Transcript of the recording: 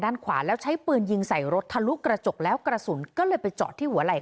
ขวาแล้วใช้ปืนยิงใส่รถทะลุกระจกแล้วกระสุนก็เลยไปจอดที่หัวไหล่